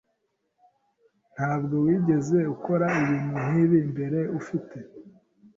Ntabwo wigeze ukora ibintu nkibi mbere, ufite?